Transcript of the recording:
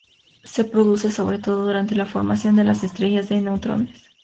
Se produce, sobre todo, durante la formación de las estrellas de neutrones.